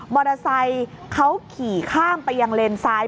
อเตอร์ไซค์เขาขี่ข้ามไปยังเลนซ้าย